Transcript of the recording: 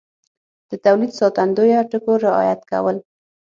د تولید ساتندویه ټکو رعایت کول